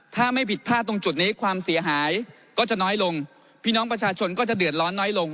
ถ้าไม่ผิดพลาดตรงจุดนี้ความเสียหายก็จะน้อยลงพี่น้องประชาชนก็จะเดือดร้อนน้อยลง